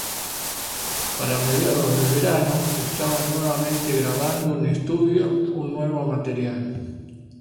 Para mediados del verano estaban nuevamente grabando en estudio un nuevo material.